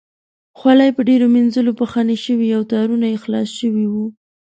خولۍ په ډېرو مینځلو پښنې شوې او تارونه یې خلاص شوي وو.